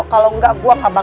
kalau enggak gue kabar kabar